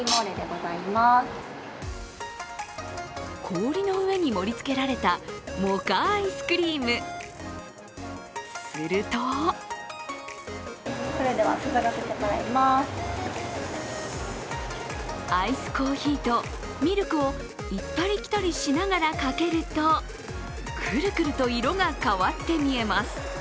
氷の上に盛りつけられたモカアイスクリーム、するとアイスコーヒーとミルクを行ったり来たりしながらかけるとクルクルと色が変わって見えます。